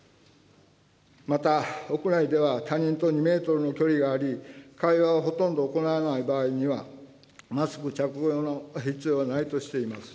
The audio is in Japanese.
また、屋内では他人と２メートルの距離があり、会話をほとんど行わない場合には、マスク着用の必要はないとしています。